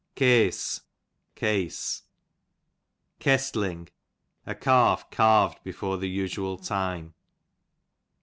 Kese, case. KestJing, a calf calved before the usual time.